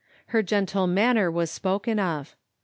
— ^her gentle manner was spoken of.